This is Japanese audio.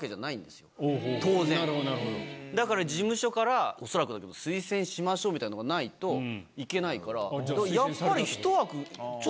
当然だから事務所から恐らくだけど推薦しましょうみたいなのがないと行けないから。